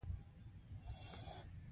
بدرنګه سترګې د دروغو ښکارندویي کوي